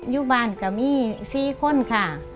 อยู่บ้านก็มี๔คนค่ะ